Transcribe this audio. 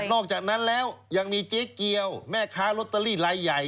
อกจากนั้นแล้วยังมีเจ๊เกียวแม่ค้าลอตเตอรี่ลายใหญ่